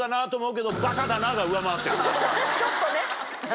ちょっとね。